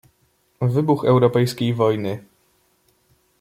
"Wybuch europejskiej wojny."